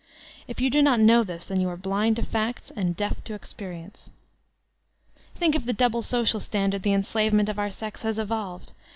If you do not know this, then you are bUnd to facts and deaf to Experience. Think of the double social standard the enslavement of our sex has evolved.